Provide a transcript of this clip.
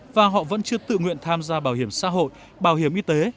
và họ vẫn chưa tự nguyện tham gia bảo hiểm xã hội bảo hiểm y tế